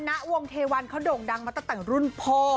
ณวงเทวันเขาโด่งดังมาตั้งแต่รุ่นพ่อ